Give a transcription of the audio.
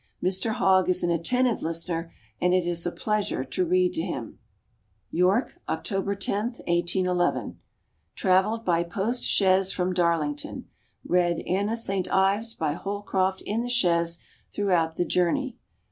Mr Hogg is an attentive listener and it is a pleasure to read to him. York, October 10, 1811. Travelled by post chaise from Darlington. Read "Anna St Ives" by Holcroft in the chaise throughout the journey.